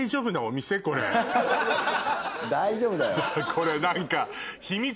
これ何か。